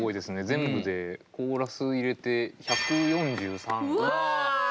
全部でコーラス入れて１４３使ってますね。